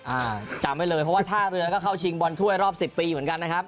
อ่าจำไว้เลยเพราะว่าท่าเรือก็เข้าชิงบอลถ้วยรอบสิบปีเหมือนกันนะครับ